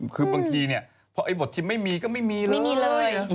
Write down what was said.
คือบางทีเพราะบทที่ไม่มีก็ไม่มีเลย